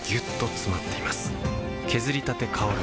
削りたて香る